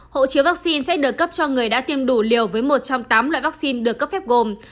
hộ chiếu vaccine sẽ được cấp cho người đã tiêm đủ liều với một trong tám loại vaccine được cấp phép gồm